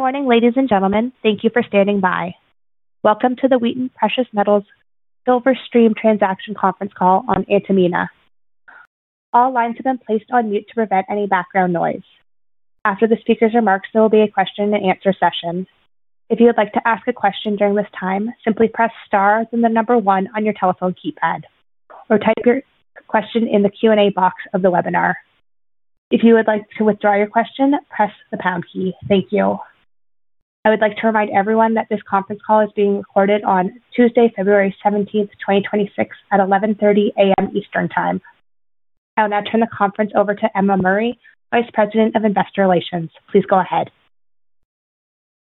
Good morning, ladies and gentlemen. Thank you for standing by. Welcome to the Wheaton Precious Metals Silver Stream Transaction Conference Call on Antamina. All lines have been placed on mute to prevent any background noise. After the speakers' remarks, there will be a question and answer session. If you would like to ask a question during this time, simply press star, then the number one on your telephone keypad, or type your question in the Q&A box of the webinar. If you would like to withdraw your question, press the pound key. Thank you. I would like to remind everyone that this conference call is being recorded on Tuesday, February 17th, 2026, at 11:30 A.M. Eastern Time. I'll now turn the conference over to Emma Murray, Vice President of Investor Relations. Please go ahead.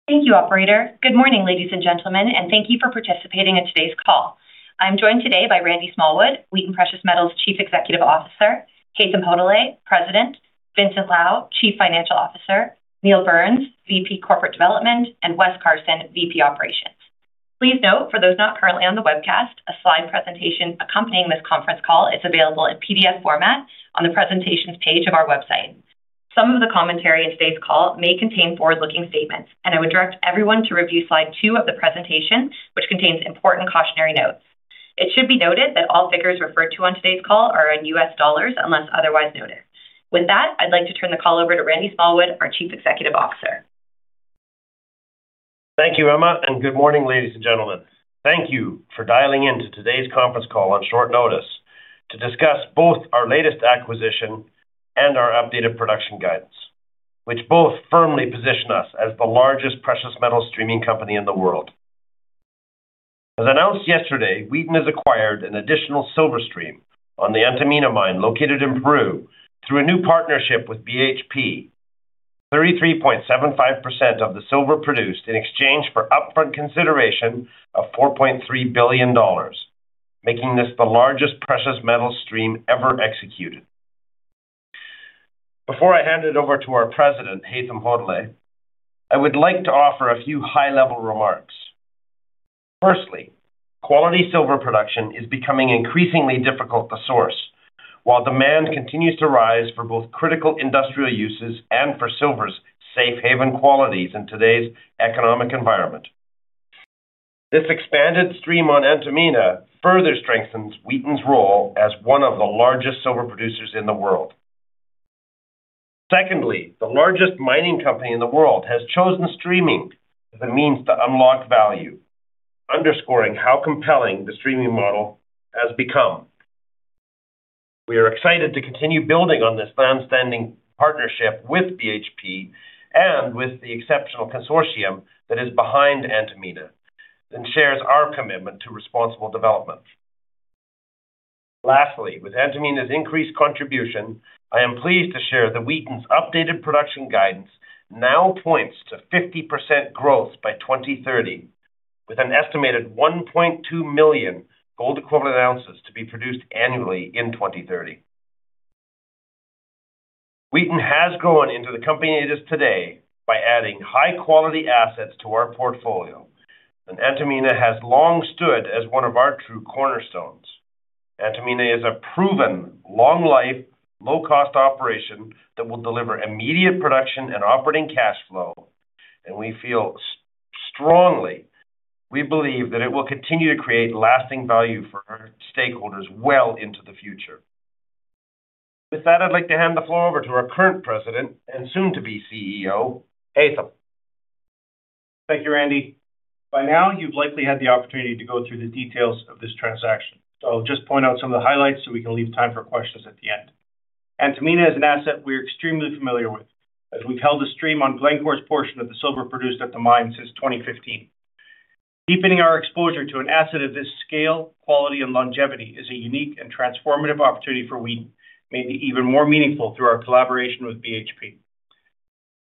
Thank you, operator. Good morning, ladies and gentlemen, and thank you for participating in today's call. I'm joined today by Randy Smallwood, Wheaton Precious Metals Chief Executive Officer, Haytham Hodaly, President, Vincent Lau, Chief Financial Officer, Neil Burns, VP Corporate Development, and Wes Carson, VP Operations. Please note, for those not currently on the webcast, a slide presentation accompanying this conference call is available in PDF format on the presentations page of our website. Some of the commentary in today's call may contain forward-looking statements, and I would direct everyone to review slide 2 of the presentation, which contains important cautionary notes. It should be noted that all figures referred to on today's call are in U.S. dollars, unless otherwise noted. With that, I'd like to turn the call over to Randy Smallwood, our Chief Executive Officer. Thank you, Emma, and good morning, ladies and gentlemen. Thank you for dialing in to today's conference call on short notice to discuss both our latest acquisition and our updated production guidance, which both firmly position us as the largest precious metal streaming company in the world. As announced yesterday, Wheaton has acquired an additional silver stream on the Antamina mine, located in Peru, through a new partnership with BHP. 33.75% of the silver produced in exchange for upfront consideration of $4.3 billion, making this the largest precious metal stream ever executed. Before I hand it over to our President, Haytham Hodaly, I would like to offer a few high-level remarks. Firstly, quality silver production is becoming increasingly difficult to source, while demand continues to rise for both critical industrial uses and for silver's safe haven qualities in today's economic environment. This expanded stream on Antamina further strengthens Wheaton's role as one of the largest silver producers in the world. Secondly, the largest mining company in the world has chosen streaming as a means to unlock value, underscoring how compelling the streaming model has become. We are excited to continue building on this long-standing partnership with BHP and with the exceptional consortium that is behind Antamina and shares our commitment to responsible development. Lastly, with Antamina's increased contribution, I am pleased to share that Wheaton's updated production guidance now points to 50% growth by 2030, with an estimated 1.2 million gold equivalent ounces to be produced annually in 2030. Wheaton has grown into the company it is today by adding high-quality assets to our portfolio, and Antamina has long stood as one of our true cornerstones. Antamina is a proven, long-life, low-cost operation that will deliver immediate production and operating cash flow, and we feel strongly, we believe that it will continue to create lasting value for our stakeholders well into the future. With that, I'd like to hand the floor over to our current president and soon to be CEO, Haytham. Thank you, Randy. By now, you've likely had the opportunity to go through the details of this transaction, so I'll just point out some of the highlights so we can leave time for questions at the end. Antamina is an asset we're extremely familiar with, as we've held a stream on Glencore's portion of the silver produced at the mine since 2015. Deepening our exposure to an asset of this scale, quality, and longevity is a unique and transformative opportunity for Wheaton, made even more meaningful through our collaboration with BHP.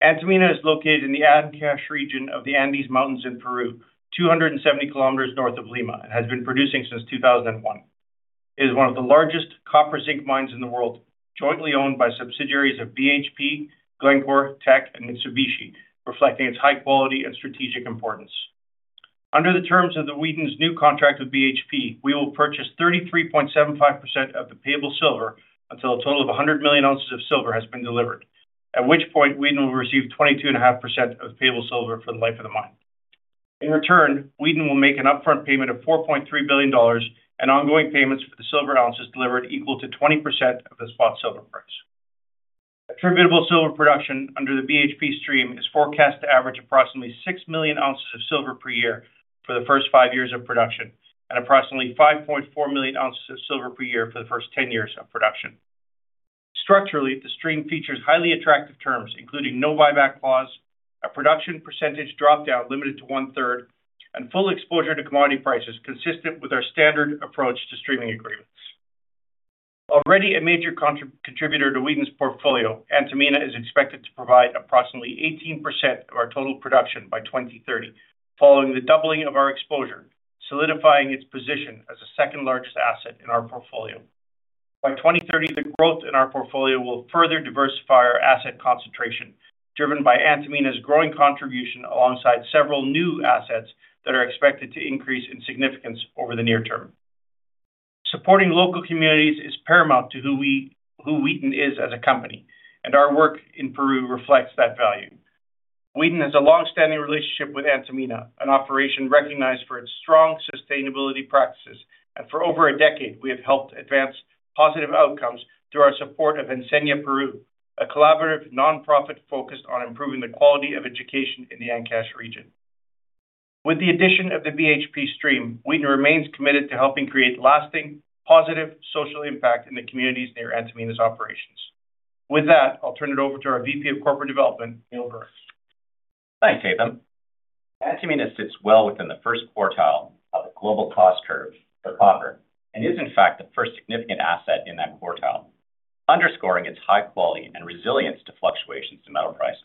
Antamina is located in the Ancash region of the Andes Mountains in Peru, 270 kilometers North of Lima, and has been producing since 2001. It is one of the largest copper zinc mines in the world, jointly owned by subsidiaries of BHP, Glencore, Teck, and Mitsubishi, reflecting its high quality and strategic importance. Under the terms of Wheaton's new contract with BHP, we will purchase 33.75% of the payable silver until a total of 100 million ounces of silver has been delivered, at which point Wheaton will receive 22.5% of payable silver for the life of the mine. In return, Wheaton will make an upfront payment of $4.3 billion and ongoing payments for the silver ounces delivered equal to 20% of the spot silver price. Attributable silver production under the BHP stream is forecast to average approximately 6 million ounces of silver per year for the first five years of production and approximately 5.4 million ounces of silver per year for the first 10 years of production. Structurally, the stream features highly attractive terms, including no buyback clause, a production percentage drop-down limited to 1/3, and full exposure to commodity prices, consistent with our standard approach to streaming agreements. Already a major contributor to Wheaton's portfolio, Antamina is expected to provide approximately 18% of our total production by 2030, following the doubling of our exposure, solidifying its position as the second-largest asset in our portfolio. By 2030, the growth in our portfolio will further diversify our asset concentration, driven by Antamina's growing contribution alongside several new assets that are expected to increase in significance over the near term. Supporting local communities is paramount to who we, who Wheaton is as a company, and our work in Peru reflects that value. Wheaton has a long-standing relationship with Antamina, an operation recognized for its strong sustainability practices, and for over a decade we have helped advance positive outcomes through our support of Enseña Perú, a collaborative nonprofit focused on improving the quality of education in the Ancash region. With the addition of the BHP stream, Wheaton remains committed to helping create lasting, positive social impact in the communities near Antamina's operations. With that, I'll turn it over to our VP of Corporate Development, Neil Burns. Thanks, Haytham. Antamina sits well within the first quartile of the global cost curve for copper, and is in fact the first significant asset in that quartile, underscoring its high quality and resilience to fluctuations in metal prices.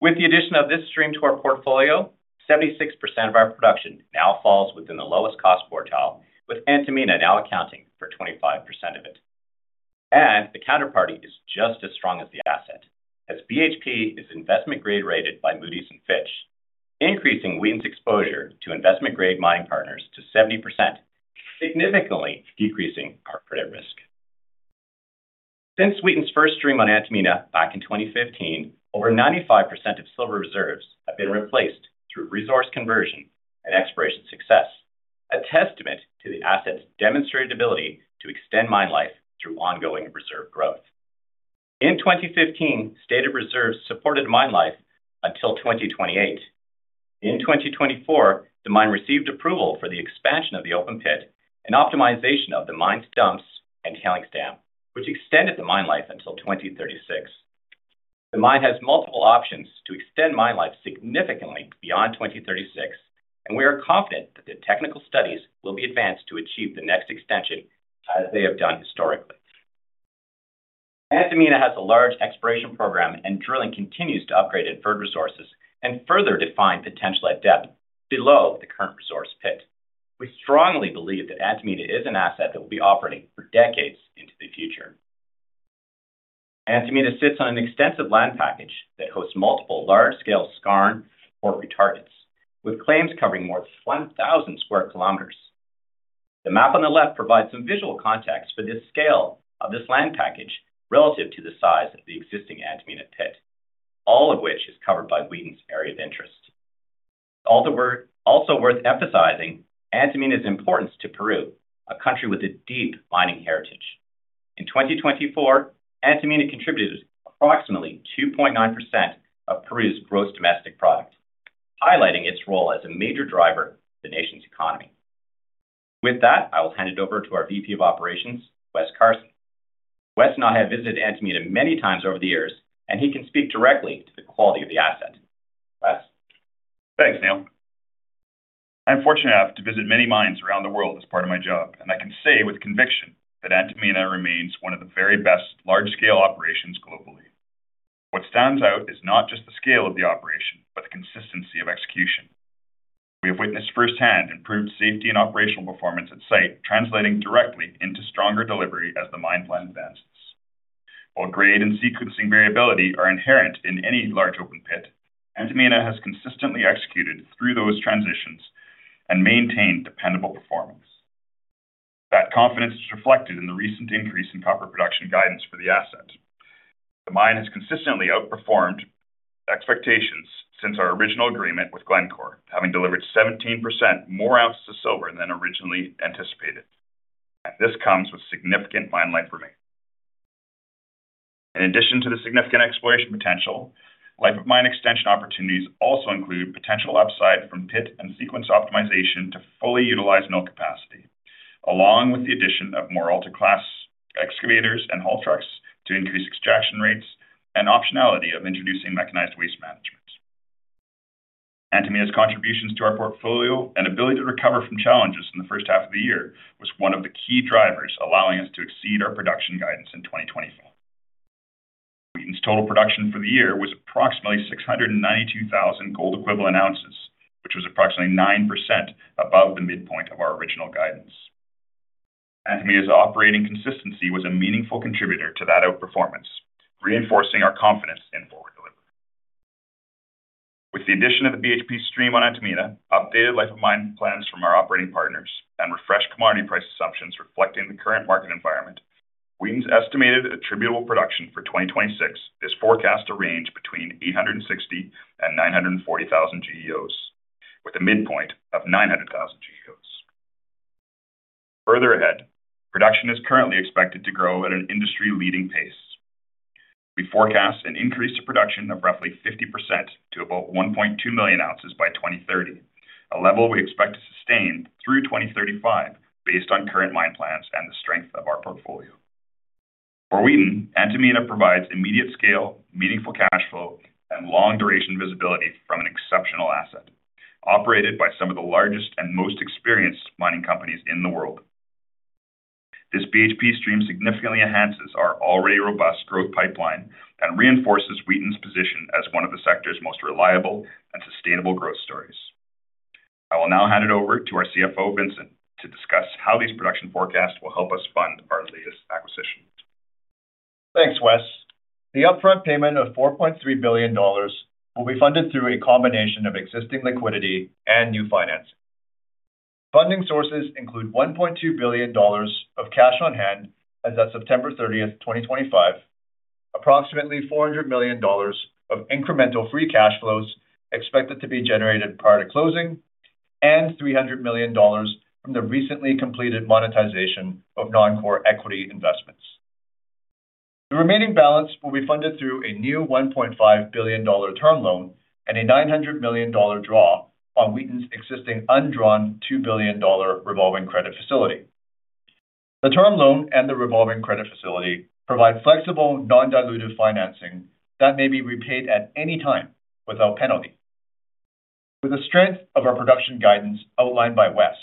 With the addition of this stream to our portfolio, 76% of our production now falls within the lowest cost quartile, with Antamina now accounting for 25% of it. The counterparty is just as strong as the asset, as BHP is investment-grade rated by Moody's and Fitch, increasing Wheaton's exposure to investment-grade mining partners to 70%, significantly decreasing our credit risk. Since Wheaton's first stream on Antamina back in 2015, over 95% of silver reserves have been replaced through resource conversion and exploration success, a testament to the asset's demonstrated ability to extend mine life through ongoing reserve growth. In 2015, stated reserves supported mine life until 2028. In 2024, the mine received approval for the expansion of the open pit and optimization of the mine's dumps and tailings dam, which extended the mine life until 2036. The mine has multiple options to extend mine life significantly beyond 2036, and we are confident that the technical studies will be advanced to achieve the next extension as they have done historically. Antamina has a large exploration program, and drilling continues to upgrade inferred resources and further define potential at depth below the current resource pit. We strongly believe that Antamina is an asset that will be operating for decades into the future. Antamina sits on an extensive land package that hosts multiple large-scale skarn ore targets, with claims covering more than 1,000 square kilometers. The map on the left provides some visual context for this scale of this land package relative to the size of the existing Antamina pit, all of which is covered by Wheaton's area of interest. Also worth emphasizing, Antamina's importance to Peru, a country with a deep mining heritage. In 2024, Antamina contributed approximately 2.9% of Peru's gross domestic product, highlighting its role as a major driver of the nation's economy. With that, I will hand it over to our VP of Operations, Wes Carson. Wes and I have visited Antamina many times over the years, and he can speak directly to the quality of the asset. Wes? Thanks, Neil. I'm fortunate enough to visit many mines around the world as part of my job, and I can say with conviction that Antamina remains one of the very best large-scale operations globally. What stands out is not just the scale of the operation, but the consistency of execution. We have witnessed firsthand improved safety and operational performance on site, translating directly into stronger delivery as the mine plan advances. While grade and sequencing variability are inherent in any large open pit, Antamina has consistently executed through those transitions and maintained dependable performance. That confidence is reflected in the recent increase in copper production guidance for the asset. The mine has consistently outperformed expectations since our original agreement with Glencore, having delivered 17% more ounces of silver than originally anticipated, and this comes with significant mine life remaining. In addition to the significant exploration potential, life of mine extension opportunities also include potential upside from pit and sequence optimization to fully utilize mill capacity, along with the addition of more ultra-class excavators and haul trucks to increase extraction rates and optionality of introducing mechanized waste management. Antamina's contributions to our portfolio and ability to recover from challenges in the first half of the year was one of the key drivers allowing us to exceed our production guidance in 2024. Wheaton's total production for the year was approximately 692,000 gold equivalent ounces, which was approximately 9% above the midpoint of our original guidance. Antamina's operating consistency was a meaningful contributor to that outperformance, reinforcing our confidence in forward delivery. With the addition of the BHP stream on Antamina, updated life of mine plans from our operating partners, and refreshed commodity price assumptions reflecting the current market environment, Wheaton's estimated attributable production for 2026 is forecast to range between 860,000 and 940,000 GEOs, with a midpoint of 900,000 GEOs. Further ahead, production is currently expected to grow at an industry-leading pace. We forecast an increase to production of roughly 50% to about 1.2 million ounces by 2030, a level we expect to sustain through 2035, based on current mine plans and the strength of our portfolio. For Wheaton, Antamina provides immediate scale, meaningful cash flow, and long duration visibility from an exceptional asset, operated by some of the largest and most experienced mining companies in the world. This BHP stream significantly enhances our already robust growth pipeline and reinforces Wheaton's position as one of the sector's most reliable and sustainable growth stories. I will now hand it over to our CFO, Vincent, to discuss how these production forecasts will help us fund our latest acquisitions. Thanks, Wes. The upfront payment of $4.3 billion will be funded through a combination of existing liquidity and new financing. Funding sources include $1.2 billion of cash on hand as at September 30th, 2025, approximately $400 million of incremental free cash flows expected to be generated prior to closing, and $300 million from the recently completed monetization of non-core equity investments. The remaining balance will be funded through a new $1.5 billion term loan and a $900 million draw on Wheaton's existing undrawn $2 billion revolving credit facility. The term loan and the revolving credit facility provide flexible, non-dilutive financing that may be repaid at any time without penalty. With the strength of our production guidance outlined by Wes,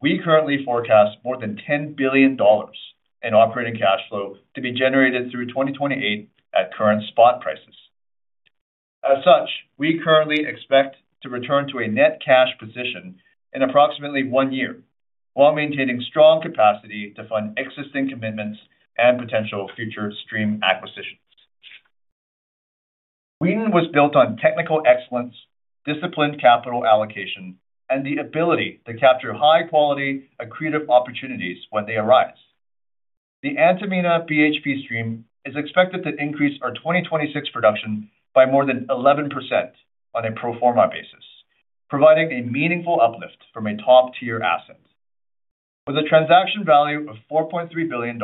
we currently forecast more than $10 billion in operating cash flow to be generated through 2028 at current spot prices. As such, we currently expect to return to a net cash position in approximately one year, while maintaining strong capacity to fund existing commitments and potential future stream acquisitions. Wheaton was built on technical excellence, disciplined capital allocation, and the ability to capture high-quality, accretive opportunities when they arise. The Antamina BHP Stream is expected to increase our 2026 production by more than 11% on a pro forma basis, providing a meaningful uplift from a top-tier asset. With a transaction value of $4.3 billion,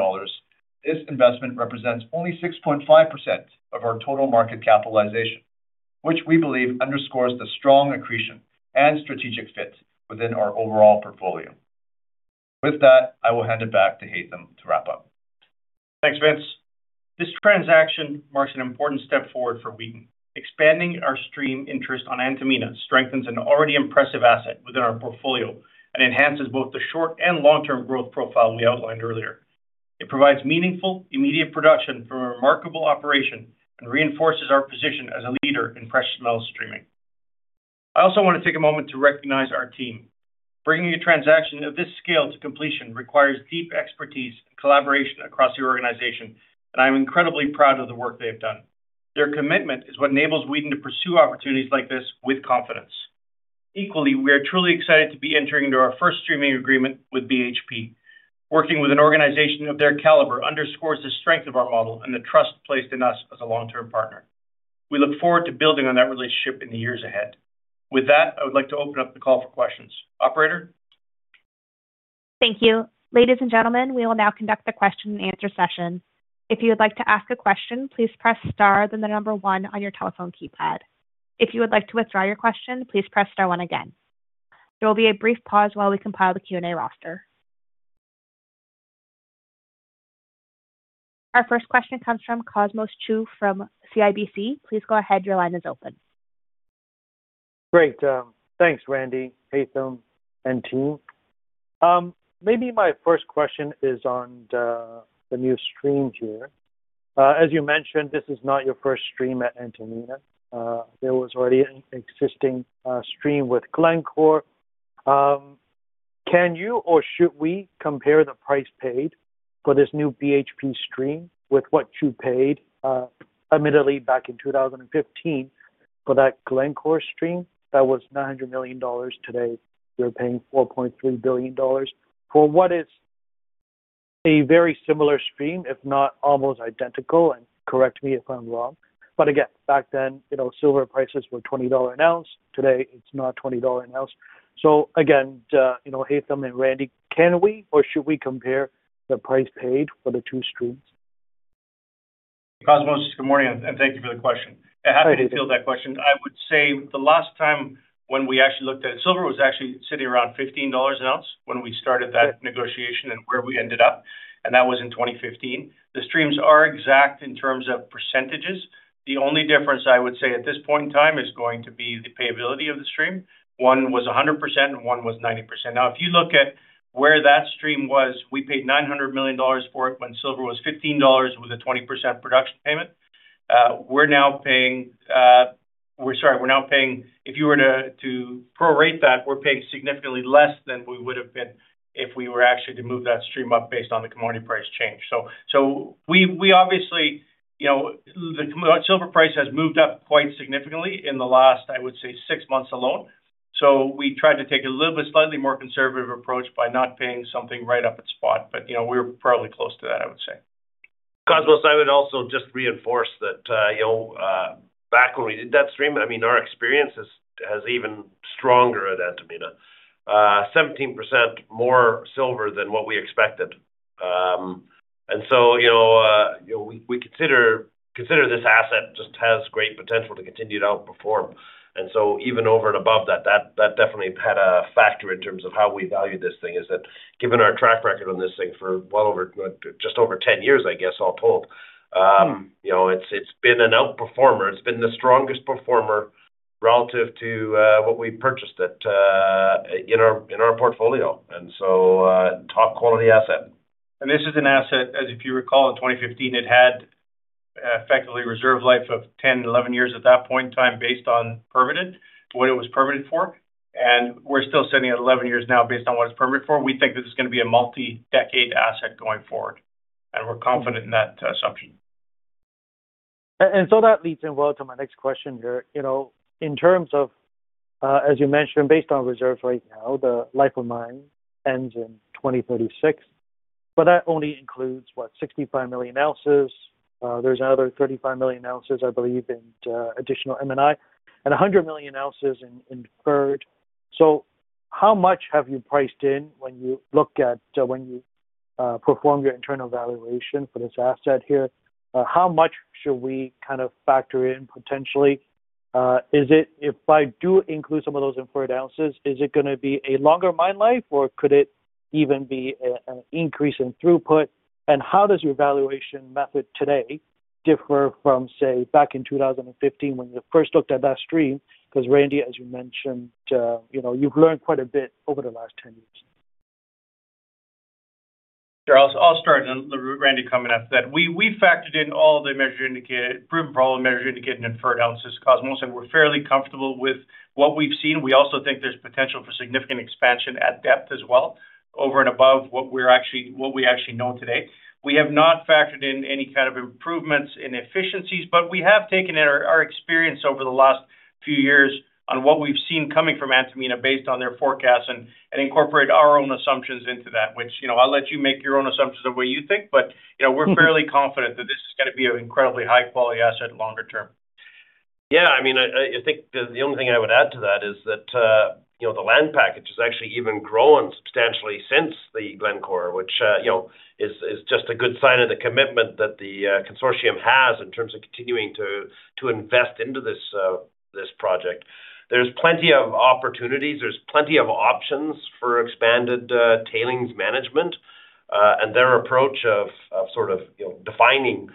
this investment represents only 6.5% of our total market capitalization, which we believe underscores the strong accretion and strategic fit within our overall portfolio. With that, I will hand it back to Haytham to wrap up. Thanks, Vince. This transaction marks an important step forward for Wheaton. Expanding our stream interest on Antamina strengthens an already impressive asset within our portfolio and enhances both the short and long-term growth profile we outlined earlier. It provides meaningful, immediate production from a remarkable operation and reinforces our position as a leader in precious metal streaming. I also want to take a moment to recognize our team. Bringing a transaction of this scale to completion requires deep expertise and collaboration across the organization, and I'm incredibly proud of the work they have done. Their commitment is what enables Wheaton to pursue opportunities like this with confidence. Equally, we are truly excited to be entering into our first streaming agreement with BHP. Working with an organization of their caliber underscores the strength of our model and the trust placed in us as a long-term partner. We look forward to building on that relationship in the years ahead. With that, I would like to open up the call for questions. Operator? Thank you. Ladies and gentlemen, we will now conduct the question and answer session. If you would like to ask a question, please press star, then the number one on your telephone keypad. If you would like to withdraw your question, please press star one again. There will be a brief pause while we compile the Q&A roster. Our first question comes from Cosmos Chiu from CIBC. Please go ahead. Your line is open. Great. Thanks, Randy, Haytham, and team. Maybe my first question is on the new stream here. As you mentioned, this is not your first stream at Antamina. There was already an existing stream with Glencore. Can you or should we compare the price paid for this new BHP stream with what you paid, admittedly back in 2015 for that Glencore stream? That was $900 million. Today, you're paying $4.3 billion for what is a very similar stream, if not almost identical, and correct me if I'm wrong. But again, back then, you know, silver prices were $20 an ounce. Today, it's not $20 an ounce. So again, you know, Haytham and Randy, can we or should we compare the price paid for the two streams? Cosmos, good morning, and thank you for the question. I'm happy to field that question. I would say the last time when we actually looked at it, silver was actually sitting around $15 an ounce when we started that negotiation and where we ended up, and that was in 2015. The streams are exact in terms of percentages. The only difference, I would say, at this point in time, is going to be the payability of the stream. One was 100% and one was 90%. Now, if you look at where that stream was, we paid $900 million for it when silver was $15 with a 20% production payment. We're now paying-- We're sorry, we're now paying. If you were to prorate that, we're paying significantly less than we would have been if we were actually to move that stream up based on the commodity price change. So we obviously, you know, the silver price has moved up quite significantly in the last, I would say, six months alone. So we tried to take a little bit slightly more conservative approach by not paying something right up at spot. But, you know, we're probably close to that, I would say. Cosmos, I would also just reinforce that, you know, back when we did that stream, I mean, our experience is, has even stronger at Antamina. Seventeen percent more silver than what we expected. And so, you know, we, we consider, consider this asset just has great potential to continue to outperform. And so even over and above that, that, that definitely had a factor in terms of how we value this thing, is that given our track record on this thing for well over, just over 10 years, I guess, all told, you know, it's, it's been an outperformer. It's been the strongest performer relative to, what we purchased it, in our, in our portfolio, and so, top quality asset. This is an asset, as if you recall, in 2015, it had effectively reserve life of 10-11 years at that point in time, based on permitted, what it was permitted for. We're still sitting at 11 years now based on what it's permitted for. We think this is gonna be a multi-decade asset going forward, and we're confident in that assumption. So that leads in well to my next question here. You know, in terms of, as you mentioned, based on reserves right now, the life of mine ends in 2036, but that only includes, what? 65 million ounces. There's another 35 million ounces, I believe, in additional M&I, and 100 million ounces in deferred. So how much have you priced in when you look at, when you perform your internal valuation for this asset here? How much should we kind of factor in potentially? Is it, if I do include some of those inferred ounces, is it gonna be a longer mine life, or could it even be an increase in throughput? And how does your valuation method today differ from, say, back in 2015 when you first looked at that stream? Because, Randy, as you mentioned, you know, you've learned quite a bit over the last 10 years. Sure. I'll start, and then Randy, come in after that. We, we factored in all the measured and indicated, proven and probable, measured and indicated, and inferred ounces, Cosmo, and we're fairly comfortable with what we've seen. We also think there's potential for significant expansion at depth as well, over and above what we're actually-- what we actually know today. We have not factored in any kind of improvements in efficiencies, but we have taken in our, our experience over the last few years on what we've seen coming from Antamina, based on their forecast, and incorporate our own assumptions into that, which, you know, I'll let you make your own assumptions the way you think, but, you know, we're fairly confident that this is gonna be an incredibly high-quality asset longer term. Yeah, I mean, I think the only thing I would add to that is that, you know, the land package has actually even grown substantially since the Glencore, which, you know, is just a good sign of the commitment that the consortium has in terms of continuing to invest into this, this project. There's plenty of opportunities, there's plenty of options for expanded, tailings management. And their approach of, sort of, you know, defining,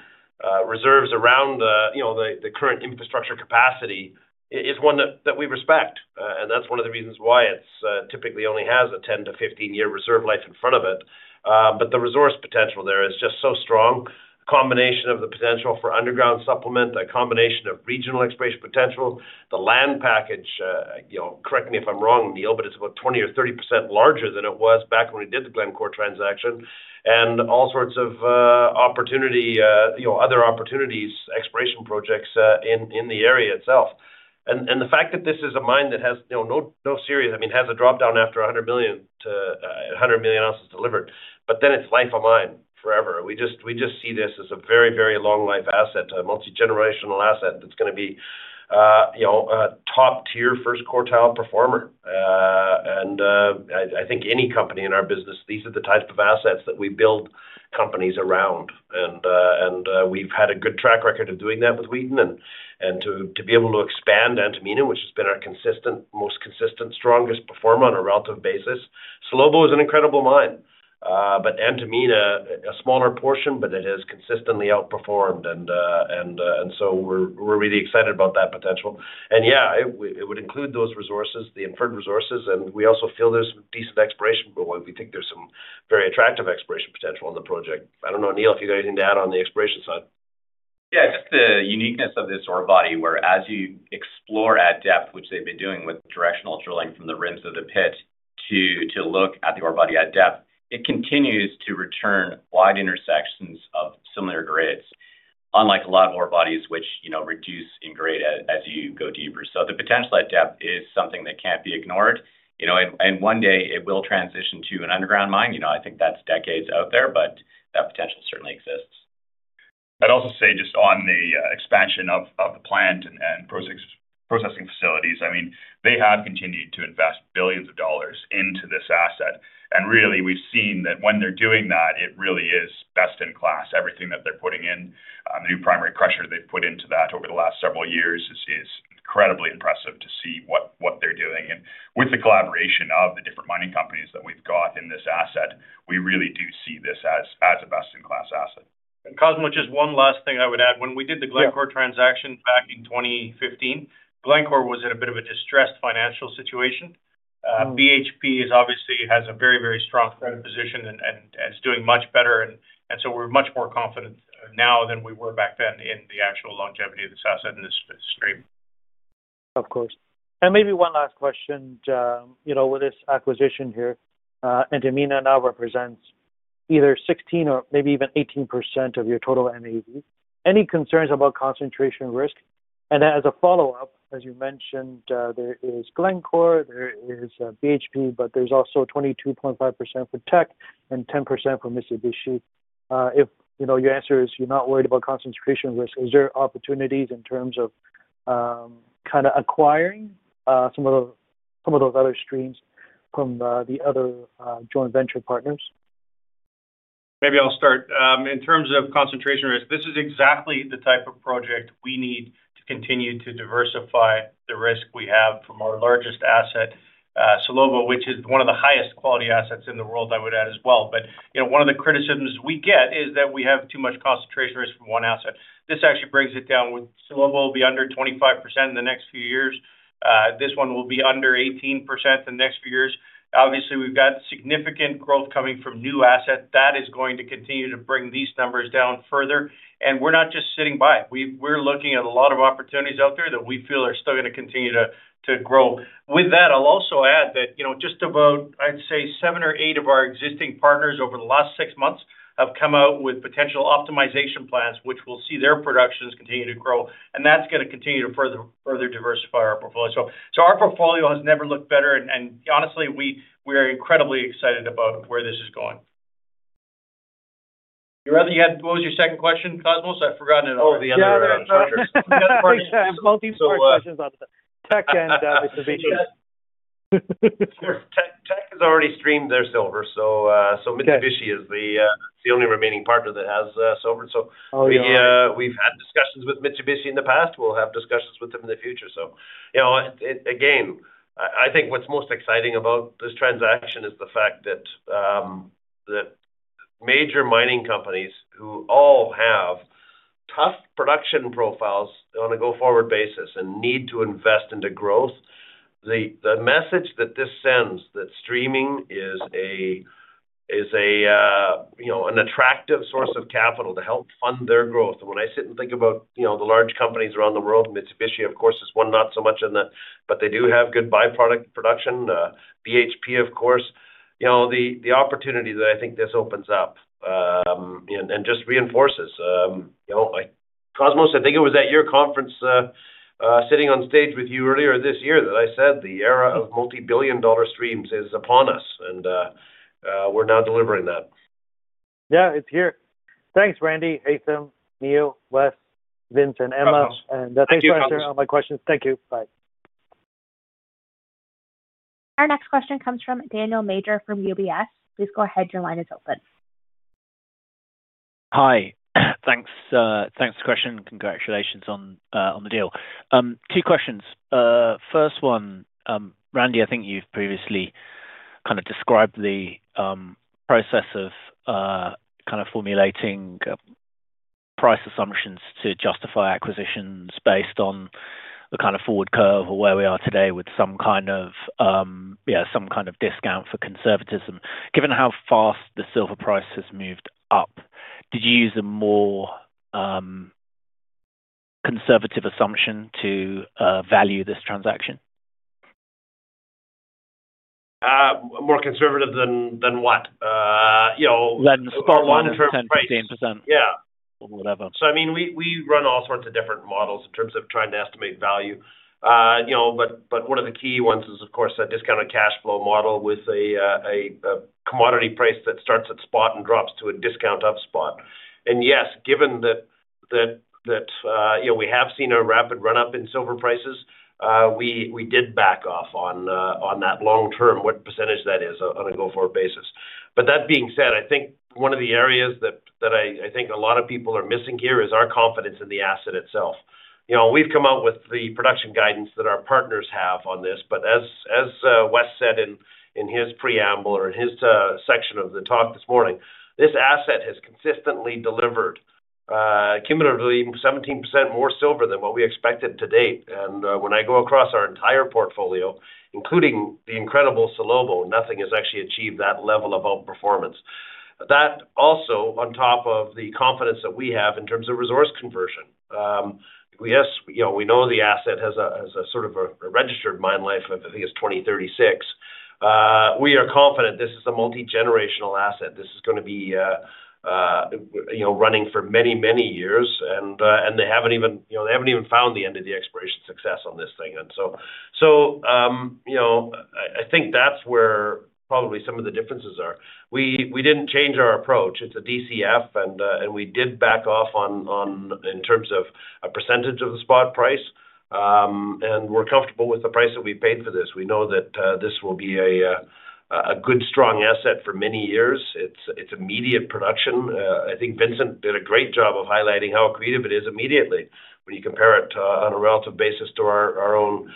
reserves around the, you know, the, the current infrastructure capacity is one that, we respect. And that's one of the reasons why it's, typically only has a 10-15-year reserve life in front of it. But the resource potential there is just so strong. A combination of the potential for underground supplement, a combination of regional exploration potential, the land package, you know, correct me if I'm wrong, Neil, but it's about 20% or 30% larger than it was back when we did the Glencore transaction. All sorts of opportunity, you know, other opportunities, exploration projects, in the area itself. And the fact that this is a mine that has, you know, no, no serious-- I mean, has a dropdown after 100 million to a 100 million ounces delivered, but then it's life of mine forever. We just, we just see this as a very, very long life asset, a multigenerational asset that's gonna be, you know, a top-tier first quartile performer. I think any company in our business, these are the types of assets that we build companies around. And we've had a good track record of doing that with Wheaton and to be able to expand Antamina, which has been our most consistent, strongest performer on a relative basis. Salobo is an incredible mine, but Antamina, a smaller portion, but it has consistently outperformed and so we're really excited about that potential. And yeah, it would include those resources, the Inferred Resources, and we also feel there's some decent exploration for one. We think there's some very attractive exploration potential in the project. I don't know, Neil, if you got anything to add on the exploration side. Yeah, just the uniqueness of this ore body, where as you explore at depth, which they've been doing with directional drilling from the rims of the pit, to look at the ore body at depth, it continues to return wide intersections of similar grades, unlike a lot of ore bodies, which, you know, reduce in grade as, as you go deeper. So the potential at depth is something that can't be ignored, you know, and one day it will transition to an underground mine. You know, I think that's decades out there, but that potential certainly exists. I'd also say, just on the expansion of the plant and processing facilities, I mean, they have continued to invest billions of dollars into this asset. And really, we've seen that when they're doing that, it really is best in class. Everything that they're putting in, the new primary crusher they've put into that over the last several years is incredibly impressive to see what they're doing. And with the collaboration of the different mining companies that we've got in this asset, we really do see this as a best-in-class asset. Cosmo, just one last thing I would add. When we did the Glencore transaction back in 2015, Glencore was in a bit of a distressed financial situation. BHP is obviously has a very, very strong credit position and it's doing much better, and so we're much more confident now than we were back then in the actual longevity of this asset and this stream. Of course. And maybe one last question, you know, with this acquisition here, Antamina now represents either 16% or maybe even 18% of your total NAV. Any concerns about concentration risk? And then as a follow-up, as you mentioned, there is Glencore, there is, BHP, but there's also 22.5% for Teck and 10% for Mitsubishi. If, you know, your answer is you're not worried about concentration risk, is there opportunities in terms of, kinda acquiring, some of those, some of those other streams from, the other, joint venture partners? Maybe I'll start. In terms of concentration risk, this is exactly the type of project we need to continue to diversify the risk we have from our largest asset, Salobo, which is one of the highest quality assets in the world, I would add as well. But, you know, one of the criticisms we get is that we have too much concentration risk from one asset. This actually brings it down. Salobo will be under 25% in the next few years. This one will be under 18% in the next few years. Obviously, we've got significant growth coming from new asset. That is going to continue to bring these numbers down further, and we're not just sitting by. We're looking at a lot of opportunities out there that we feel are still going to continue to grow. With that, I'll also add that, you know, just about, I'd say, seven or eight of our existing partners over the last six months have come out with potential optimization plans, which will see their productions continue to grow, and that's going to continue to further diversify our portfolio. So, our portfolio has never looked better, and honestly, we are incredibly excited about where this is going. What was your second question, Cosmos? I've forgotten it over the other. Multiple questions about Teck and Mitsubishi. Teck has already streamed their silver, so Mitsubishi is the only remaining partner that has silver. Oh, yeah. So we, we've had discussions with Mitsubishi in the past. We'll have discussions with them in the future. So, you know, again, I think what's most exciting about this transaction is the fact that that major mining companies who all have tough production profiles on a go-forward basis and need to invest into growth, the message that this sends, that streaming is an attractive source of capital to help fund their growth. When I sit and think about, you know, the large companies around the world, Mitsubishi, of course, is one, not so much but they do have good by-product production. BHP, of course, you know, the opportunity that I think this opens up and just reinforces, you know, like, Cosmos, I think it was at your conference, we're now delivering that. Yeah, it's here. Thanks, Randy, Haytham, Neil, Wes, Vincent, Emma-- Thank you. Thanks for answering all my questions. Thank you. Bye. Our next question comes from Daniel Major, from UBS. Please go ahead. Your line is open. Hi. Thanks, thanks for question, and congratulations on the deal. Two questions. First one, Randy, I think you've previously kind of described the, process of, kind of formulating, price assumptions to justify acquisitions based on the kind of forward curve or where we are today with some kind of discount for conservatism. Given how fast the silver price has moved up, did you use a more, conservative assumption to, value this transaction? More conservative than what? You know-- Than the spot long-term price. Yeah. Whatever. So, I mean, we run all sorts of different models in terms of trying to estimate value. You know, but one of the key ones is, of course, a discounted cash flow model with a commodity price that starts at spot and drops to a discount of spot. And yes, given that, you know, we have seen a rapid run-up in silver prices, we did back off on that long term, what percentage that is on a go-forward basis. But that being said, I think one of the areas that I think a lot of people are missing here is our confidence in the asset itself. You know, we've come out with the production guidance that our partners have on this, but as Wes said in his preamble or in his section of the talk this morning, this asset has consistently delivered cumulatively 17% more silver than what we expected to date. And when I go across our entire portfolio, including the incredible Salobo, nothing has actually achieved that level of outperformance. That also on top of the confidence that we have in terms of resource conversion. Yes, you know, we know the asset has a sort of a registered mine life of, I think, it's 2036. We are confident this is a multigenerational asset. This is going to be, you know, running for many, many years, and they haven't even, you know, they haven't even found the end of the exploration success on this thing. So, you know, I think that's where probably some of the differences are. We didn't change our approach. It's a DCF, and we did back off on in terms of a percentage of the spot price, and we're comfortable with the price that we paid for this. We know that this will be a good, strong asset for many years. It's immediate production. I think Vincent did a great job of highlighting how accretive it is immediately when you compare it, on a relative basis to our, our own,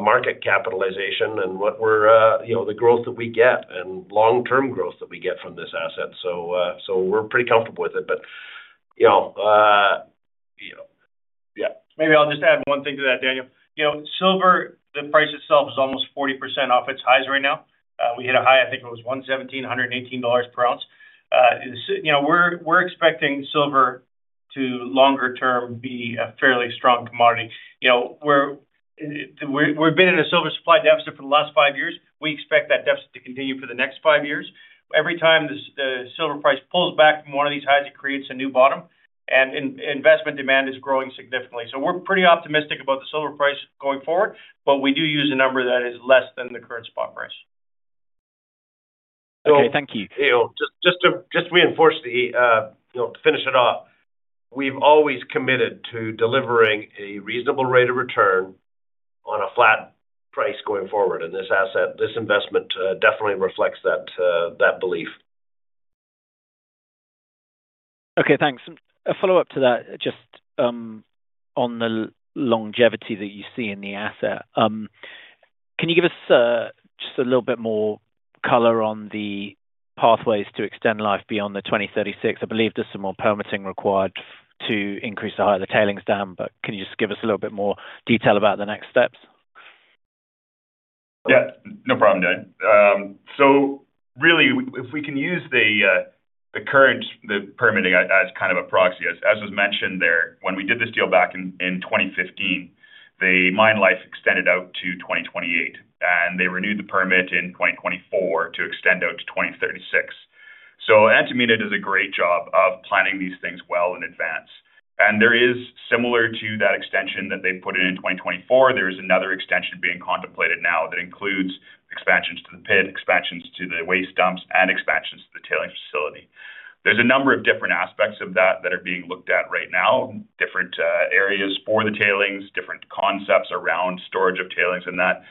market capitalization and what we're, you know, the growth that we get and long-term growth that we get from this asset. We're pretty comfortable with it. You know, you know-- Yeah, maybe I'll just add one thing to that, Daniel. You know, silver, the price itself, is almost 40% off its highs right now. We hit a high, I think it was $117, $118 per ounce. You know, we're, we're expecting silver to, longer term, be a fairly strong commodity. You know, we're-- we've been in a silver supply deficit for the last five years. We expect that deficit to continue for the next five years. Every time the silver price pulls back from one of these highs, it creates a new bottom, and investment demand is growing significantly. So we're pretty optimistic about the silver price going forward, but we do use a number that is less than the current spot price. Okay, thank you. You know, just to reinforce the, you know, to finish it off, we've always committed to delivering a reasonable rate of return on a flat price going forward, and this asset, this investment, definitely reflects that, that belief. Okay, thanks. A follow-up to that, just, on the longevity that you see in the asset. Can you give us, just a little bit more color on the asset? Pathways to extend life beyond 2036. I believe there's some more permitting required to increase the height of the tailings dam, but can you just give us a little bit more detail about the next steps? Yeah, no problem, Dan. So really, if we can use the current permitting as kind of a proxy, as was mentioned there, when we did this deal back in 2015, the mine life extended out to 2028, and they renewed the permit in 2024 to extend out to 2036. So Antamina does a great job of planning these things well in advance. And there is, similar to that extension that they put in in 2024, there's another extension being contemplated now that includes expansions to the pit, expansions to the waste dumps, and expansions to the tailings facility. There's a number of different aspects of that that are being looked at right now, different areas for the tailings, different concepts around storage of tailings, and that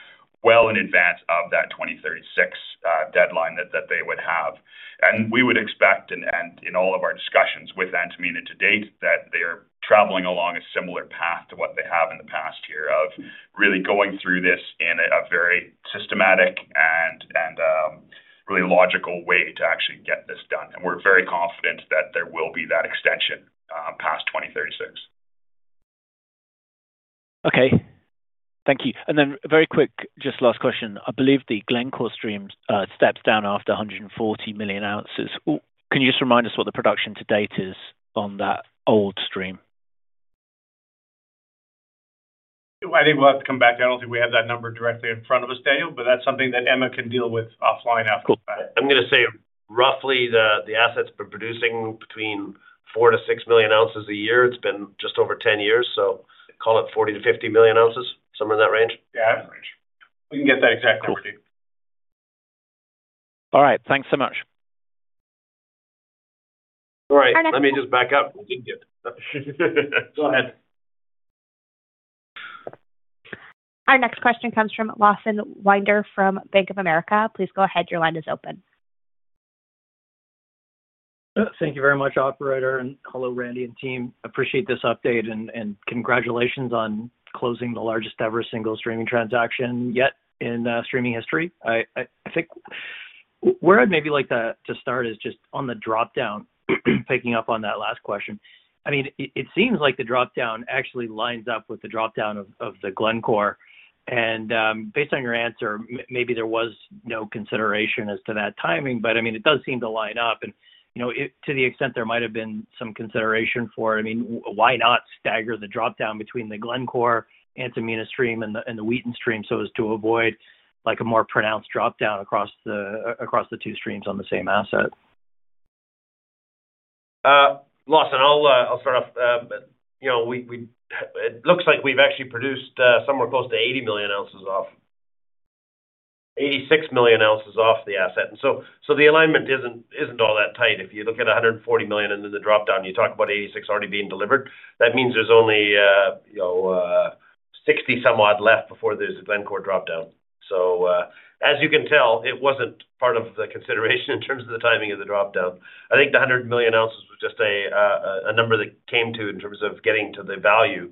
well in advance of that 2036 deadline that, that they would have. And we would expect, and, and in all of our discussions with Antamina to date, that they are traveling along a similar path to what they have in the past here, of really going through this in a very systematic and really logical way to actually get this done. And we're very confident that there will be that extension past 2036. Okay. Thank you. And then very quick, just last question. I believe the Glencore stream steps down after 140 million ounces. Can you just remind us what the production to date is on that old stream? I think we'll have to come back. I don't think we have that number directly in front of us, Daniel, but that's something that Emma can deal with offline after. Cool. I'm going to say, roughly, the asset's been producing between 4 million-6 million ounces a year. It's been just over 10 years, so call it 40 million-50 million ounces, somewhere in that range. Yeah, that range. We can get that exact number. All right. Thanks so much. All right. Let me just back up. I didn't get. Go ahead. Our next question comes from Lawson Winder from Bank of America. Please go ahead. Your line is open. Thank you very much, operator. Hello, Randy and team. Appreciate this update, and congratulations on closing the largest-ever single streaming transaction yet in streaming history. I think where I'd maybe like to start is just on the dropdown, picking up on that last question. I mean, it seems like the dropdown actually lines up with the dropdown of the Glencore. Based on your answer, maybe there was no consideration as to that timing, but I mean, it does seem to line up. You know, it. To the extent there might have been some consideration for it, I mean, why not stagger the dropdown between the Glencore Antamina stream and the Wheaton stream so as to avoid, like, a more pronounced dropdown across the two streams on the same asset? Lawson, I'll start off. You know, we-- It looks like we've actually produced somewhere close to 80 million ounces off the asset. 86 million ounces off the asset. And so, the alignment isn't all that tight. If you look at 140 million into the dropdown, you talk about 86 million already being delivered, that means there's only, you know, 60 million-some-odd left before there's a Glencore dropdown. So, as you can tell, it wasn't part of the consideration in terms of the timing of the dropdown. I think the 100 million ounces was just a number that came to in terms of getting to the value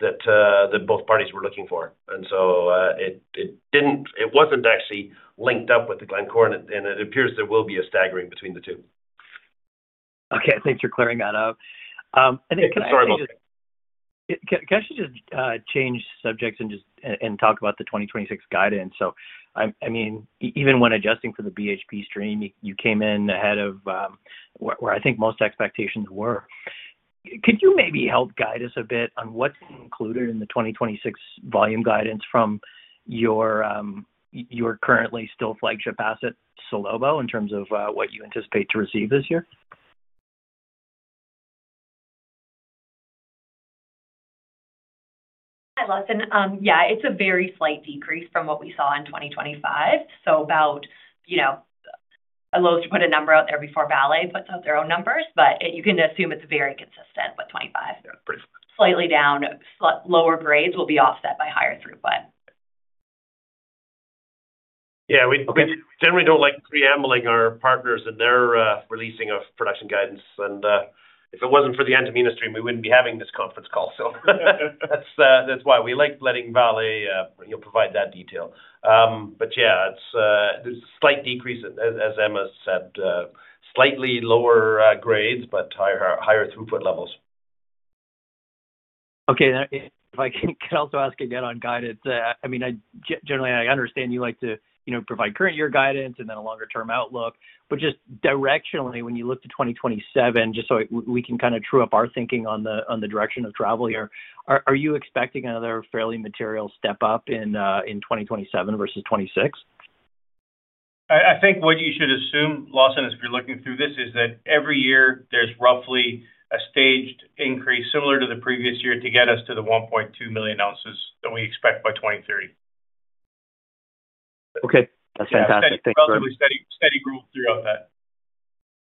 that both parties were looking for. So, it wasn't actually linked up with Glencore, and it appears there will be a staggering between the two. Okay, thanks for clearing that up. I think-- Sorry about that. Can I actually just change subjects and talk about the 2026 guidance? So, I mean, even when adjusting for the BHP stream, you came in ahead of where I think most expectations were. Could you maybe help guide us a bit on what's included in the 2026 volume guidance from your currently still flagship asset, Salobo, in terms of what you anticipate to receive this year? Hi, Lawson. Yeah, it's a very slight decrease from what we saw in 2025. So about, you know, I'd love to put a number out there before Vale puts out their own numbers, but you can assume it's very consistent with 2025. Slightly down, lower grades will be offset by higher throughput. Yeah. Okay. We generally don't like preempting our partners and their releasing of production guidance. If it wasn't for the Antamina stream, we wouldn't be having this conference call. So that's why we like letting Vale, you know, provide that detail. But yeah, there is a slight decrease, as Emma said, slightly lower grades, but higher throughput levels. Okay. If I can also ask again on guidance, I mean, generally, I understand you like to, you know, provide current year guidance and then a longer-term outlook. But just directionally, when you look to 2027, just so we can kind of true up our thinking on the direction of travel here, are you expecting another fairly material step-up in 2027 versus 2026? I think what you should assume, Lawson, as you're looking through this, is that every year there's roughly a staged increase similar to the previous year to get us to the 1.2 million ounces that we expect by 2030. Okay. That's fantastic. Thank you. Steady, steady growth throughout that.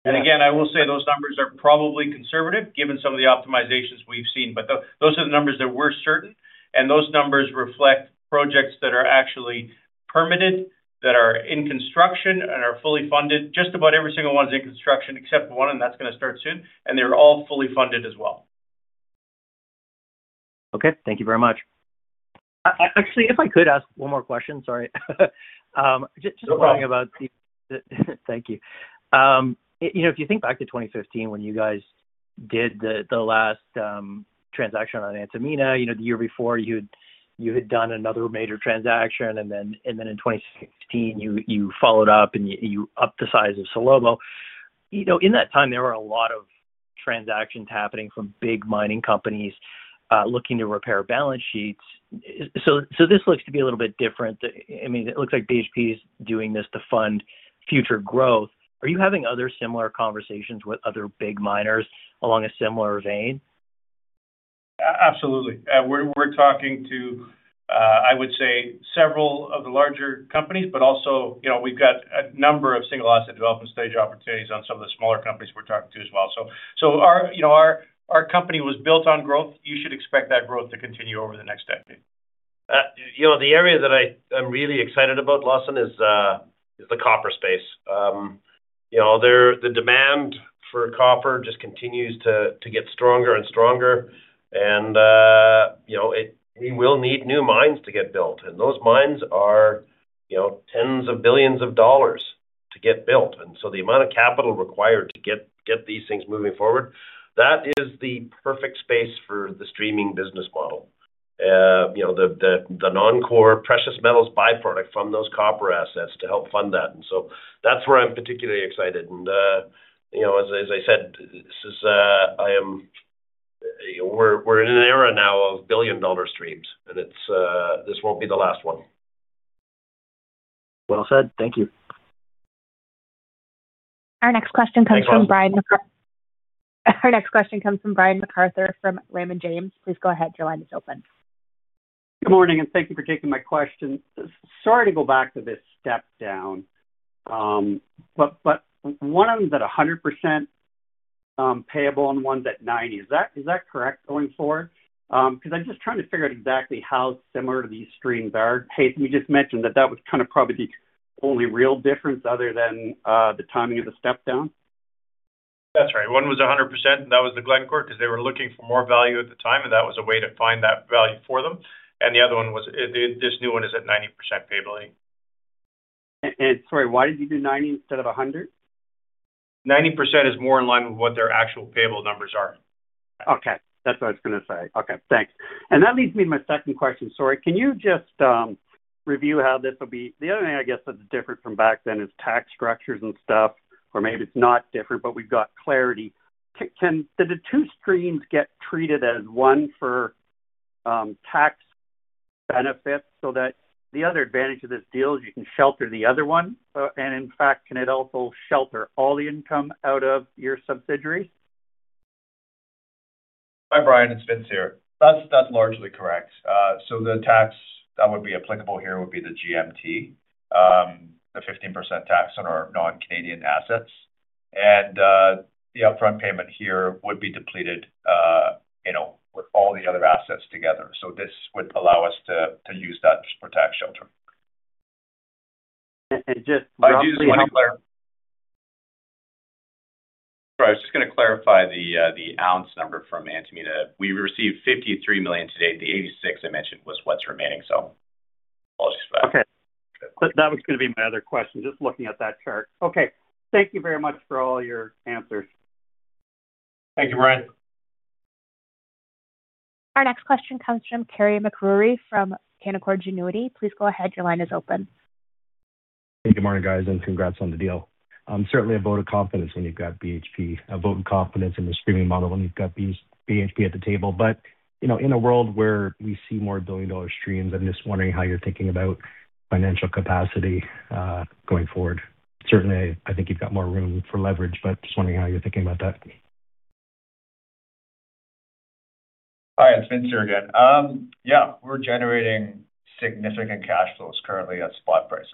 And again, I will say those numbers are probably conservative, given some of the optimizations we've seen, but those are the numbers that we're certain, and those numbers reflect projects that are actually permitted, that are in construction and are fully funded. Just about every single one is in construction except one, and that's going to start soon, and they're all fully funded as well. Okay, thank you very much. Actually, if I could ask one more question, sorry. Just wondering about. Thank you. You know, if you think back to 2015, when you guys did the last transaction on Antamina, you know, the year before, you had done another major transaction, and then in 2016, you followed up, and you upped the size of Salobo. You know, in that time, there were a lot of transactions happening from big mining companies looking to repair balance sheets. So, this looks to be a little bit different. I mean, it looks like BHP is doing this to fund future growth. Are you having other similar conversations with other big miners along a similar vein? Absolutely. We're talking to, I would say, several of the larger companies, but also, you know, we've got a number of single asset development stage opportunities on some of the smaller companies we're talking to as well. So our company was built on growth. You should expect that growth to continue over the next decade. You know, the area that I'm really excited about, Lawson, is the copper space. You know, the demand for copper just continues to get stronger and stronger and you know, we will need new mines to get built, and those mines are tens of billions of dollars to get built. And so the amount of capital required to get these things moving forward, that is the perfect space for the streaming business model. You know, the non-core precious metals byproduct from those copper assets to help fund that. And so that's where I'm particularly excited. And, you know, as I said, we're in an era now of $1 billion streams, and it's this won't be the last one. Well said. Thank you. Our next question comes from Brian MacArthur. Thanks, Lawson. Our next question comes from Brian MacArthur from Raymond James. Please go ahead. Your line is open. Good morning, and thank you for taking my question. Sorry to go back to this step down. But, but one of them is at 100% payable and one's at 90%. Is that, is that correct, going forward? Because I'm just trying to figure out exactly how similar these streams are. Haytham, you just mentioned that that was kind of probably the only real difference other than the timing of the step down? That's right. One was 100%, and that was the Glencore, because they were looking for more value at the time, and that was a way to find that value for them. And the other one was, this new one is at 90% payable. Sorry, why did you do 90% instead of 100%? 90% is more in line with what their actual payable numbers are. Okay. That's what I was going to say. Okay, thanks. And that leads me to my second question. Sorry, can you just review how this will be? The other thing I guess that's different from back then is tax structures and stuff, or maybe it's not different, but we've got clarity. Can, do the two streams get treated as one for tax benefits so that the other advantage of this deal is you can shelter the other one? And in fact, can it also shelter all the income out of your subsidiary? Hi, Brian, it's Vince here. That's, that's largely correct. So the tax that would be applicable here would be the GMT, the 15% tax on our non-Canadian assets. And, the upfront payment here would be depleted, you know, with all the other assets together. So this would allow us to, to use that for tax shelter. And just roughly how-- Sorry, I was just going to clarify the ounce number from Antamina. We received 53 million today. The 86 million I mentioned was what's remaining, so apologies for that. Okay. That was going to be my other question, just looking at that chart. Okay, thank you very much for all your answers. Thank you, Brian. Our next question comes from Carey MacRury from Canaccord Genuity. Please go ahead. Your line is open. Hey, good morning, guys, and congrats on the deal. Certainly a vote of confidence when you've got BHP, a vote of confidence in the streaming model when you've got BHP at the table. But, you know, in a world where we see more $1 billion streams, I'm just wondering how you're thinking about financial capacity, going forward. Certainly, I think you've got more room for leverage, but just wondering how you're thinking about that. Hi, it's Vince here again. Yeah, we're generating significant cash flows currently at spot prices.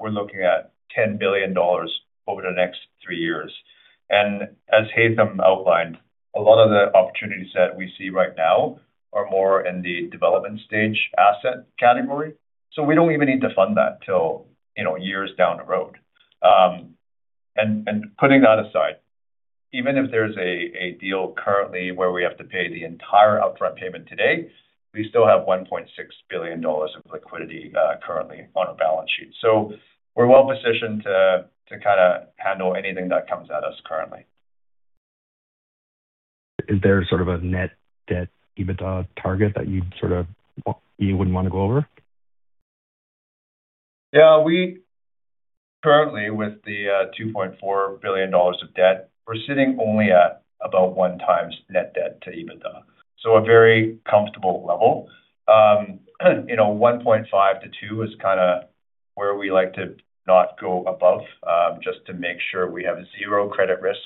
We're looking at $10 billion over the next three years. And as Haytham outlined, a lot of the opportunities that we see right now are more in the development stage asset category, so we don't even need to fund that till, you know, years down the road. And putting that aside, even if there's a deal currently where we have to pay the entire upfront payment today, we still have $1.6 billion of liquidity currently on our balance sheet. So we're well positioned to kind of handle anything that comes at us currently. Is there sort of a net debt EBITDA target that you'd sort of, you wouldn't mind to go over? Yeah, we currently, with the $2.4 billion of debt, we're sitting only at about 1x net debt to EBITDA. So a very comfortable level. You know, 1.5x-2x is kind of where we like to not go above, just to make sure we have zero credit risk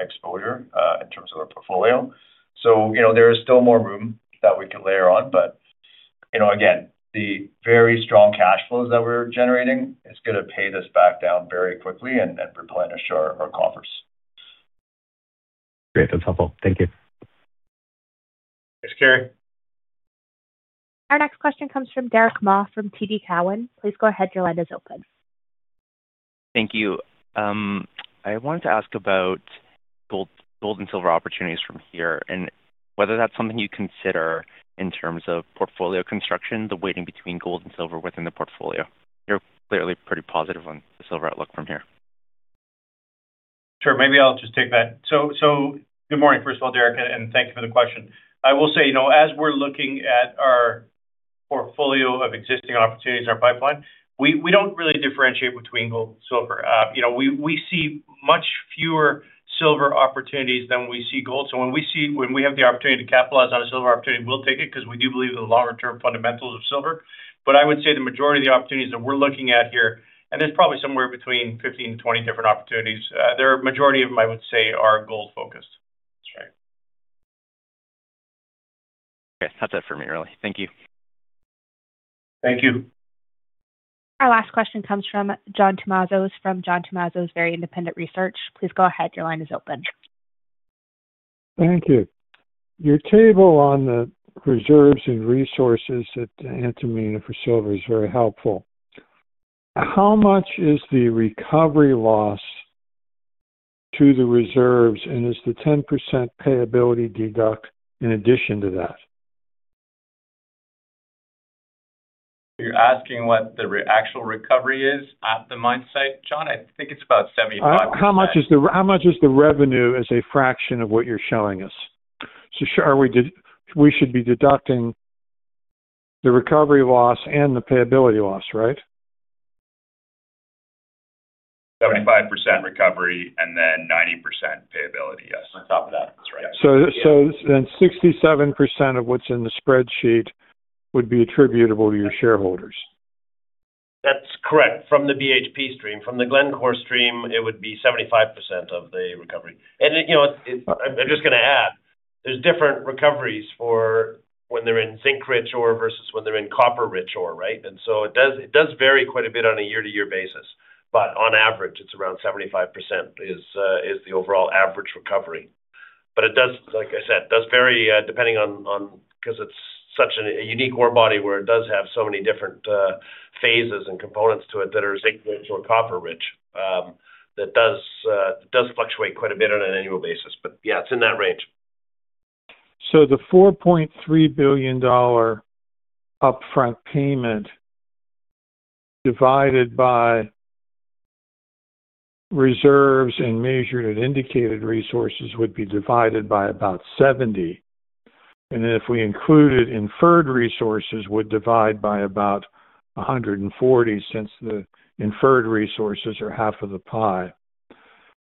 exposure in terms of our portfolio. So, you know, there is still more room that we could layer on, but, you know, again, the very strong cash flows that we're generating is going to pay this back down very quickly and, and replenish our coffers. Great. That's helpful. Thank you. Thanks, Carey. Our next question comes from Derick Ma from TD Cowen. Please go ahead. Your line is open. Thank you. I wanted to ask about gold, gold and silver opportunities from here, and whether that's something you'd consider in terms of portfolio construction, the weighting between gold and silver within the portfolio. You're clearly pretty positive on the silver outlook from here. Sure. Maybe I'll just take that. So good morning, first of all, Derick, and thank you for the question. I will say, you know, as we're looking at our portfolio of existing opportunities in our pipeline, we don't really differentiate between gold and silver. You know, we see much fewer silver opportunities than we see gold. So when we see—when we have the opportunity to capitalize on a silver opportunity, we'll take it because we do believe in the longer-term fundamentals of silver. But I would say the majority of the opportunities that we're looking at here, and there's probably somewhere between 15-20 different opportunities, the majority of them, I would say, are gold focused. That's right. Okay. That's it for me, really. Thank you. Thank you. Our last question comes from John Tumazos, from John Tumazos Very Independent Research. Please go ahead. Your line is open. Thank you. Your table on the reserves and resources at Antamina for silver is very helpful. How much is the recovery loss to the reserves, and is the 10% payability deduct in addition to that? You're asking what the actual recovery is at the mine site, John? I think it's about 75%. How much is the revenue as a fraction of what you're showing us? So, are we deducting the recovery loss and the payability loss, right? 75% recovery and then 90% payability, yes. On top of that. That's right. So then 67% of what's in the spreadsheet would be attributable to your shareholders? That's correct, from the BHP stream. From the Glencore stream, it would be 75% of the recovery. And, you know, I'm just going to add, there's different recoveries for when they're in zinc-rich ore versus when they're in copper-rich ore, right? And so it does, it does vary quite a bit on a year-to-year basis, but on average, it's around 75% is, is the overall average recovery. But it does, like I said, does vary, depending on-- Because it's such a, a unique ore body where it does have so many different, phases and components to it that are zinc-rich or copper-rich, that does, does fluctuate quite a bit on an annual basis, but yeah, it's in that range. So the $4.3 billion upfront payment, divided by reserves and measured and indicated resources, would be divided by about 70. And if we included inferred resources, would divide by about 140, since the inferred resources are half of the pie.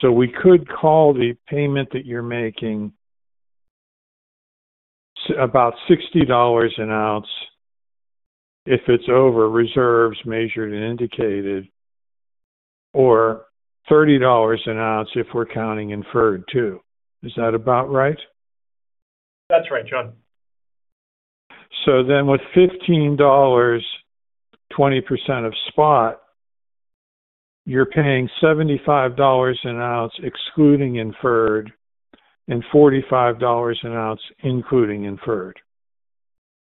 So we could call the payment that you're making about $60 an ounce if it's over reserves measured and indicated, or $30 an ounce if we're counting inferred, too. Is that about right? That's right, John. So then with $15, 20% of spot, you're paying $75 an ounce, excluding inferred, and $45 an ounce, including inferred.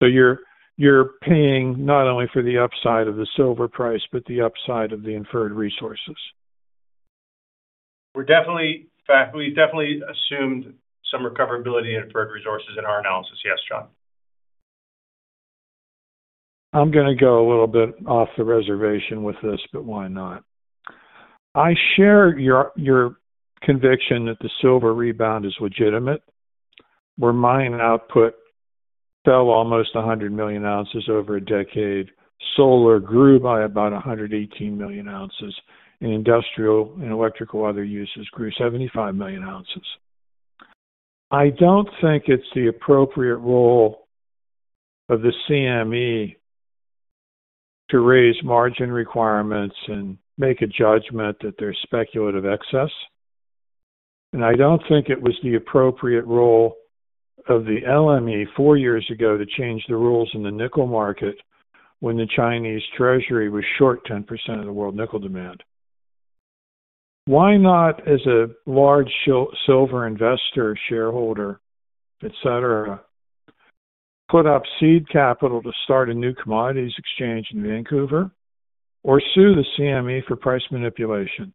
So you're, you're paying not only for the upside of the silver price, but the upside of the inferred resources. We're definitely, we definitely assumed some recoverability and Inferred Resources in our analysis. Yes, John. I'm going to go a little bit off the reservation with this, but why not? I share your conviction that the silver rebound is legitimate. Where mine output fell almost 100 million ounces over a decade, solar grew by about 118 million ounces, and industrial and electrical other uses grew 75 million ounces. I don't think it's the appropriate role of the CME to raise margin requirements and make a judgment that there's speculative excess. I don't think it was the appropriate role of the LME four years ago to change the rules in the nickel market when the Chinese treasury was short 10% of the world nickel demand. Why not, as a large silver investor, shareholder, et cetera, put up seed capital to start a new commodities exchange in Vancouver or sue the CME for price manipulation?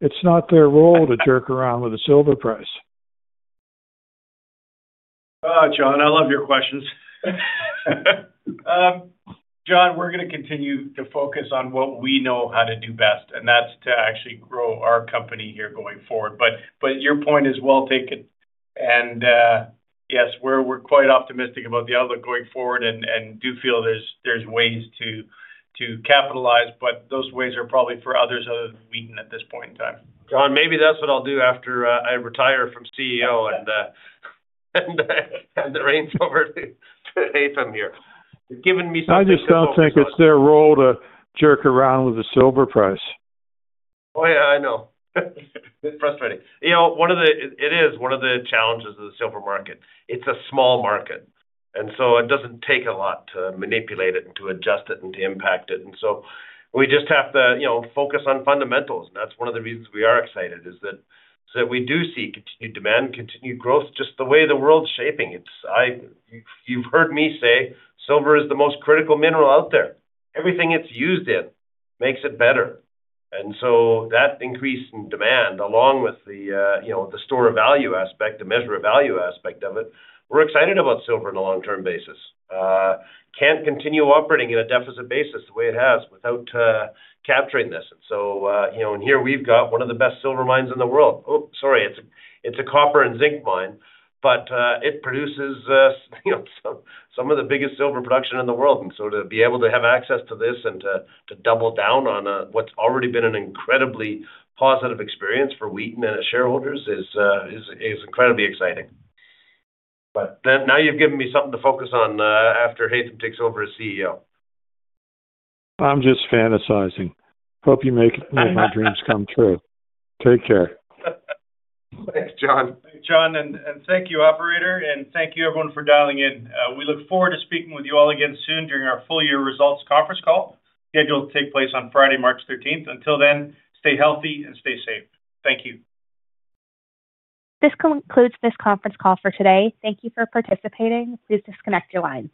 It's not their role to jerk around with the silver price. Ah, John, I love your questions. John, we're going to continue to focus on what we know how to do best, and that's to actually grow our company here going forward. But, your point is well taken. And, yes, we're quite optimistic about the outlook going forward and do feel there's ways to capitalize, but those ways are probably for others other than Wheaton at this point in time. John, maybe that's what I'll do after I retire from CEO and hand the reins over to Haytham here. You've given me something-- I just don't think it's their role to jerk around with the silver price. Oh, yeah, I know. It's frustrating. You know, one of the-- It is one of the challenges of the silver market. It's a small market, and so it doesn't take a lot to manipulate it and to adjust it and to impact it. And so we just have to, you know, focus on fundamentals, and that's one of the reasons we are excited, is that, so that we do see continued demand, continued growth, just the way the world's shaping. It's. You've heard me say silver is the most critical mineral out there. Everything it's used in makes it better. And so that increase in demand, along with the, you know, the store of value aspect, the measure of value aspect of it, we're excited about silver on a long-term basis. Can't continue operating in a deficit basis the way it has without capturing this. So, you know, and here we've got one of the best silver mines in the world. Oh, sorry, it's a copper and zinc mine, but it produces, you know, some of the biggest silver production in the world. And so to be able to have access to this and to double down on what's already been an incredibly positive experience for Wheaton and its shareholders is incredibly exciting. But then now you've given me something to focus on after Haytham takes over as CEO. I'm just fantasizing. Hope you make my dreams come true. Take care. Thanks, John. Thanks, John, and thank you, operator, and thank you, everyone, for dialing in. We look forward to speaking with you all again soon during our full year results conference call, scheduled to take place on Friday, March thirteenth. Until then, stay healthy and stay safe. Thank you. This concludes this conference call for today. Thank you for participating. Please disconnect your lines.